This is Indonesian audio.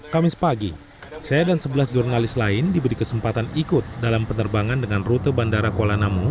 kamis pagi saya dan sebelas jurnalis lain diberi kesempatan ikut dalam penerbangan dengan rute bandara kuala namu